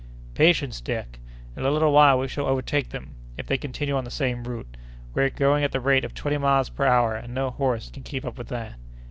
"Patience, Dick! In a little while we shall overtake them, if they continue on the same route. We are going at the rate of twenty miles per hour, and no horse can keep up with that."